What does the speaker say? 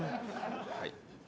はい。